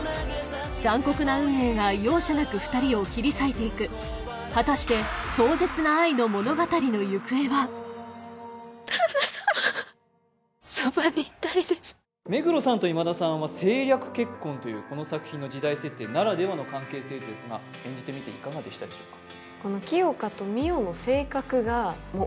残酷な運命が容赦なく二人を切り裂いていく果たして旦那様そばにいたいです目黒さんと今田さんは政略結婚というこの作品の時代設定ならではの関係性ですが演じてみていかがでしたでしょうか？